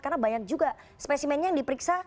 karena banyak juga spesimennya yang diperiksa